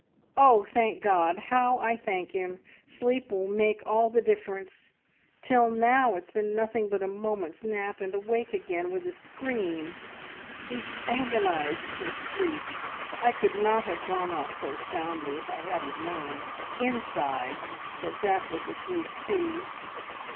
"Oh, thank God! How I thank Him! Sleep will make all the difference. ... Till now it's been nothing but a moment's nap and awake again, with a scream. We've agonised for sleep! I could not have gone off so soundly if I hadn't known, inside, that Jack was asleep too.